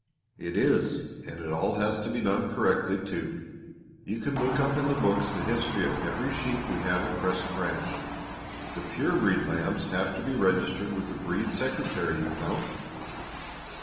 "It is, and it all has to be done correctly, too. You can look up in the books the history of every sheep we have at Crescent Ranch. The pure breed lambs have to be registered with the Breed Secretary, you know."